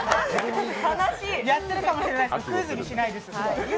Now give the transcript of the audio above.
やってるかもしれないですけど、クイズにしないです。